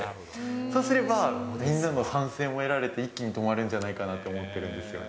そうすれば、みんなの賛成も得られて、一気に止まるんじゃないかなと思ってるんですよね。